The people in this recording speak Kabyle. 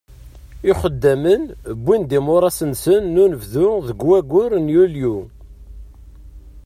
Ixeddamen wwin imuras-nsen n unebdu deg waggur n Yulyu.